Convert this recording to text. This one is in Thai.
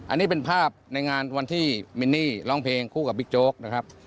อันนี้เป็นภาพในงานวันที่มินนี่ร้องเพลงคู่กับบิ๊กโจ๊กนะครับ